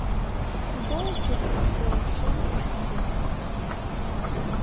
Ида ушо тушко шем тӱсым гына.